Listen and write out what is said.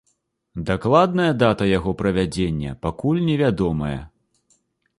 Дакладная дата яго правядзення пакуль невядомая.